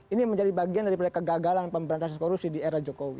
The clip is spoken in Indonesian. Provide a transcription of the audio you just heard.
ini menjadi bagian dari kegagalan pemberantasan korupsi di era jokowi